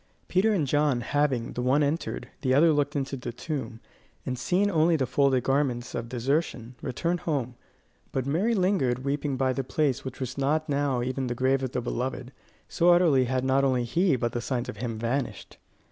Peter and John, having, the one entered, the other looked into the tomb, and seen only the folded garments of desertion, returned home, but Mary lingered weeping by the place which was not now even the grave of the beloved, so utterly had not only he but the signs of him vanished.